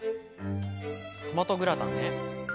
トマトグラタンね。